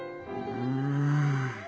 うん。